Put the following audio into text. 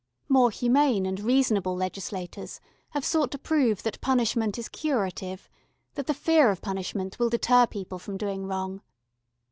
More humane and reasonable legislators have sought to prove that punishment is curative that the fear of punishment will deter people from doing wrong.